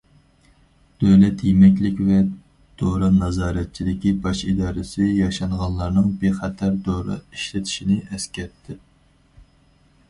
دۆلەت يېمەكلىك ۋە دورا نازارەتچىلىكى باش ئىدارىسى ياشانغانلارنىڭ بىخەتەر دورا ئىشلىتىشىنى ئەسكەرتتى.